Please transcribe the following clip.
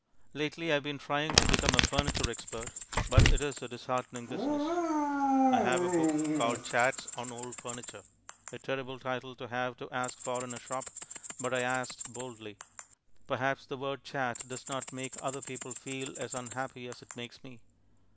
Lately I have been trying to become a furniture expert, but it is a disheartening business. I have a book called Chats on Old Furniture a terrible title to have to ask for in a shop, but I asked boldly. Perhaps the word "chat" does not make other people feel as unhappy as it makes me.